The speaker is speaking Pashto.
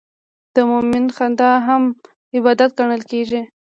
د مؤمن خندا هم عبادت ګڼل کېږي.